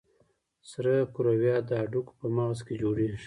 سره کرویات د هډوکو په مغز کې جوړېږي.